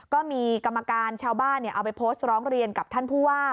ก็มีกรรมการชาวบ้านเอาไปโพสต์ร้องเรียนกับท่านผู้ว่า